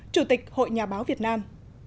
chủ tịch hội nhà báo việt nam